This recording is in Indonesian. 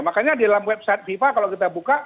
makanya di dalam website fifa kalau kita buka